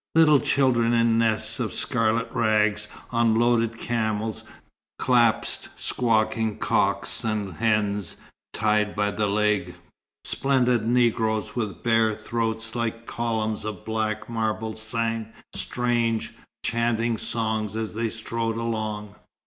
Little children in nests of scarlet rags, on loaded camels, clasped squawking cocks and hens, tied by the leg. Splendid Negroes with bare throats like columns of black marble sang strange, chanting songs as they strode along.